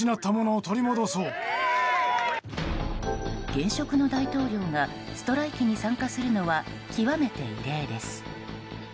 現職の大統領がストライキに参加するのは極めて異例です。